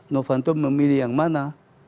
lufanto memilih yang mana